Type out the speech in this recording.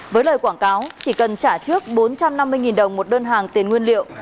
với lời quảng cáo chỉ cần trả trước bốn trăm năm mươi đồng một đơn hàng tiền nguyên liệu